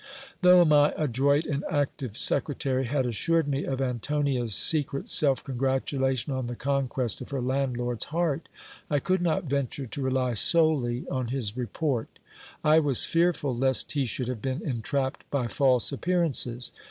Though my adroit and active secretary had assured me of Antonia's secret self congratulation on the conquest of her landlord's heart, I could not venture to rely solely on his report I was fearful lest he should have been entrapped by false appearances.